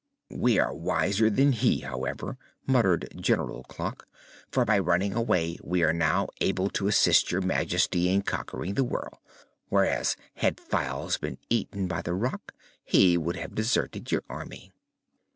"We are wiser than he, however," muttered General Clock, "for by running away we are now able to assist Your Majesty in conquering the world; whereas, had Files been eaten by the Rak, he would have deserted your Army."